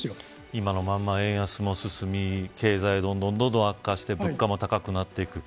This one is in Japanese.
今のまま円安も進み経済が、どんどん悪化して物価も高くなっていく。